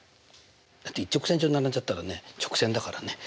だって一直線上に並んじゃったらね直線だからね。